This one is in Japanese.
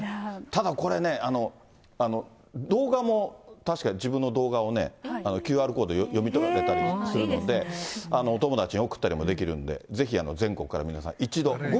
ただ、これね、動画も確か、自分の動画をね、ＱＲコード、読み取れたりするので、お友達に送ったりもできるんで、ぜひ全国から皆さん一度。